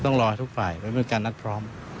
ต้องรอให้ทุกฝ่ายเพราะมันเป็นการนัดพร้อม